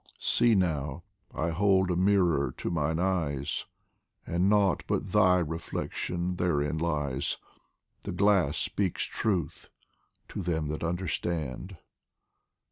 See now, I hold a mirror to mine eyes, And nought but thy reflection therein lies ; The glass speaks truth to them that understand.